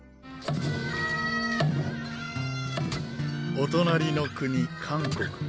お隣の国韓国。